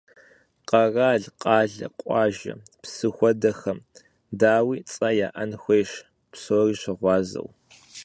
Къэрал, къалэ, къуажэ, псы хуэдэхэм, дауи, цӀэ яӀэн хуейщ псори щыгъуазэу.